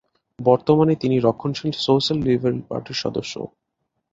বর্তমানে তিনি রক্ষণশীল সোশ্যাল লিবারেল পার্টির সদস্য।